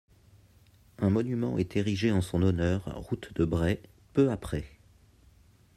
Un monument est érigé en son honneur route de Bray peu après.